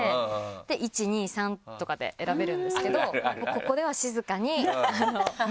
１２３とかで選べるんですけどここでは。